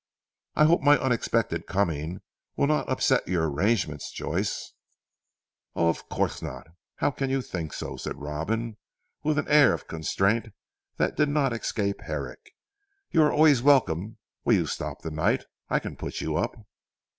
"I hope my unexpected coming will not upset your arrangements Joyce?" "Of course not how can you think so?" said Robin with an air of constraint that did not escape Herrick. "You are always welcome. Will you stop the night? I can put you up."